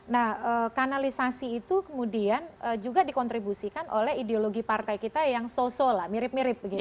nah kanalisasi itu kemudian juga dikontribusikan oleh ideologi partai kita yang so so lah mirip mirip begitu